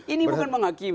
ini bukan menghakimi